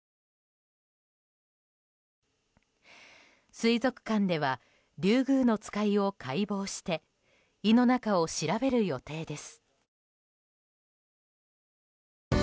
水族館ではリュウグウノツカイを解剖して胃の中を調べる予定です。